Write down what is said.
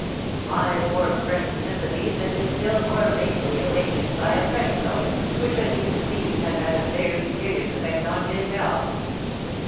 My poor friend's sympathies have been still more painfully awakened by a fresh blow, which, as you perceive, has had a very serious effect on his health.